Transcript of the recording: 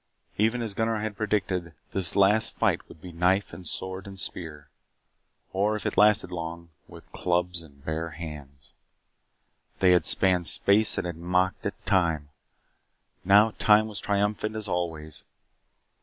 Even as Gunnar had predicted, this last fight would be with knife and sword and spear. Or, if it lasted long, with clubs and bare hands. They had spanned space and had mocked at time. Now time was triumphant as always.